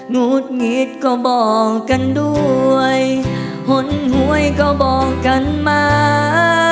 หุดหงิดก็บอกกันด้วยหนวยก็บอกกันมา